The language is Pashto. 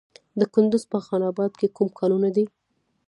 د کندز په خان اباد کې کوم کانونه دي؟